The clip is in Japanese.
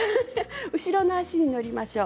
後ろの足に乗りましょう。